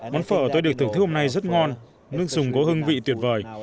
món phở tôi được thưởng thức hôm nay rất ngon nước sùng có hương vị tuyệt vời